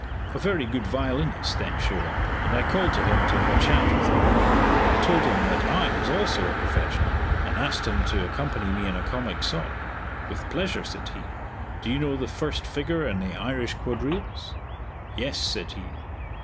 A very good violinist then showed up, and I called to him to have a chat with me. I told him that I was also a professional, and asked him to accompany me in a comic song, "With pleasure," said he. "Do you know the first figure in the Irish Quadrilles?" "Yes," said he.